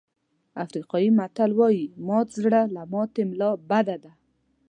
افریقایي متل وایي مات زړه له ماتې ملا بده ده.